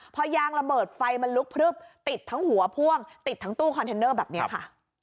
พอยางระเบิดไฟมันลุกพลึบติดทั้งหัวพ่วงติดทั้งตู้คอนเทนเนอร์แบบนี้ค่ะ